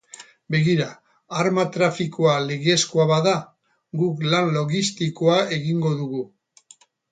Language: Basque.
Begira, arma trafikoa legezkoa bada, guk lan logistikoa egingo dugu.